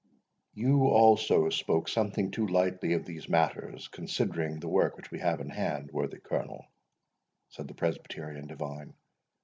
"You, also, spoke something too lightly of these matters, considering the work which we have in hand, worthy Colonel," said the Presbyterian divine.